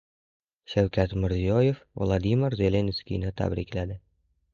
Shavkat Mirziyoyev Vladimir Zelenskiyni tabrikladi